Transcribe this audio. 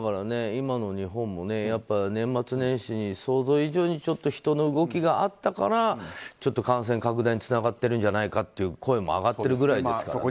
今の日本も年末年始に想像以上に人の動きがあったからちょっと感染拡大につながってるんじゃないかという声も上がっているくらいですから。